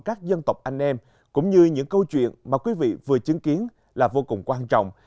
các dân tộc anh em cũng như những câu chuyện mà quý vị vừa chứng kiến là vô cùng quan trọng